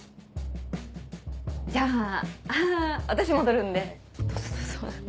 じゃあ私戻るんでどうぞどうぞ。